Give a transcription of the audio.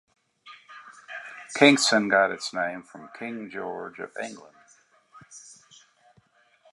Kingston got its name from King George of England.